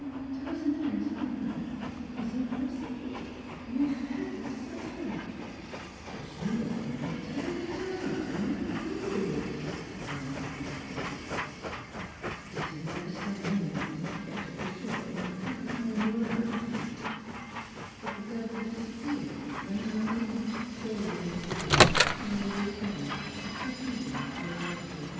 " "One t'ousand t'anks, madame; but it ees im possible. My fat'er suffer "" Jest you wait a minute till I go 'n' tell Ma 'n' I'll run over with you," volunteered Miss Bennett eagerly. " Guess I'd better stop long enough t' ketch up a shawl 'count of m' neuralgy." But the girl had disappeared when Malvina, shawled against the wind, finally returned after appeasing the curiosity of Ma.